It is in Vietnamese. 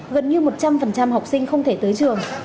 gần như một trăm linh học sinh không thể tới trường